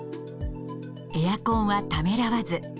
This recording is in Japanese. エアコンはためらわず。